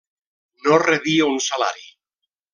No rebia un salari.